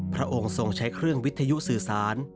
พระองค์ทรงใช้เครื่องวิทยุสื่อสาร